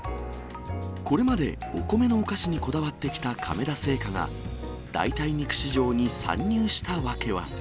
これまでお米のお菓子にこだわってきた亀田製菓が、代替肉市場に参入した訳は。